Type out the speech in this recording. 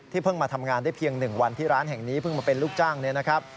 เพิ่งมาทำงานได้เพียง๑วันที่ร้านแห่งนี้เพิ่งมาเป็นลูกจ้างเนี่ยนะครับ